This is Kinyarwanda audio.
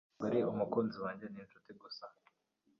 ntabwo ari umukunzi wanjye. Ni inshuti gusa.